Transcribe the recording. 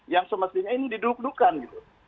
yang semestinya ini didudukan gitu